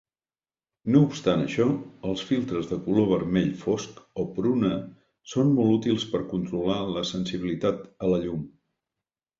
No obstant això, els filtres de color vermell fosc o pruna són molt útils per controlar la sensibilitat a la llum.